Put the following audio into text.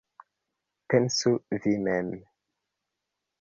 Pensu vi mem!